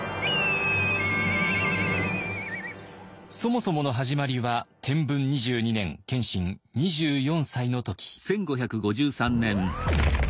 そもそもの始まりは天文２２年謙信２４歳の時。